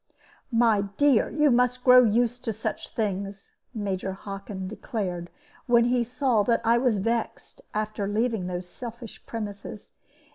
"My dear, you must grow used to such things," Major Hockin declared, when he saw that I was vexed, after leaving those selfish premises.